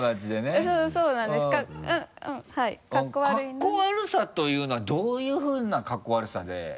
カッコ悪さというのはどういうふうなカッコ悪さで？